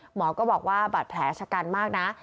หมอก็บอกว่าบาดแผลชะกันมากนะ